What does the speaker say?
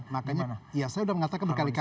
makanya ya saya udah mengatakan berkali kali ya